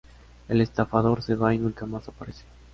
El estafador se va y nunca más aparece.